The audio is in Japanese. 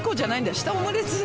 下オムレツだ。